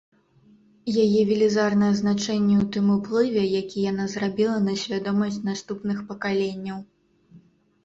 Яе велізарнае значэнне ў тым уплыве, які яна зрабіла на свядомасць наступных пакаленняў.